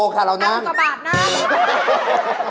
เอากลับบ้านนะ